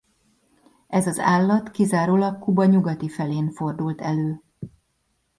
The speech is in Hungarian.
Ez az állat kizárólag Kuba nyugati felén fordult elő.